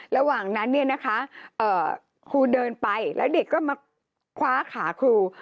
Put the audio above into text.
ระหว่างนั้นเนี่ยนะคะครูเดินไปแล้วเด็กก็มาคว้าขาครู